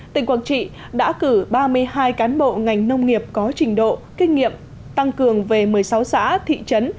tỉnh quảng trị đã cử ba mươi hai cán bộ ngành nông nghiệp có trình độ kinh nghiệm tăng cường về một mươi sáu xã thị trấn